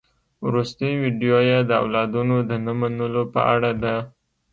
وروستۍ ويډيو يې د اولادونو د نه منلو په اړه ده.